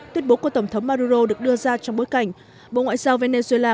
tuyên bố của tổng thống maduro được đưa ra trong bối cảnh bộ ngoại giao venezuela